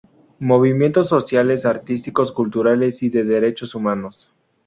Movimientos sociales, artísticos, culturales y de derechos humanos.